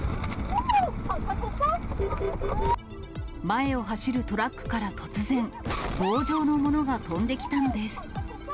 前を走るトラックから突然、棒状のものが飛んできたのです。